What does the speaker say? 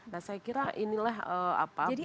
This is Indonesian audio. dan saya kira inilah apa beragam